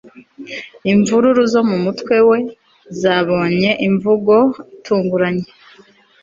Imvururu zo mu mutwe we zabonye imvugo itunguranye